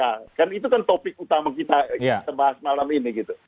ya ya kan itu kan topik utama kita bahas malam ini gitu